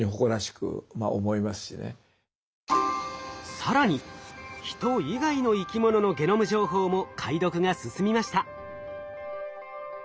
更に人以外の生き物のゲノム情報も解読が進みました。